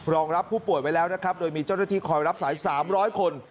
รับผู้ป่วยไว้แล้วนะครับโดยมีเจ้าหน้าที่คอยรับสาย๓๐๐คน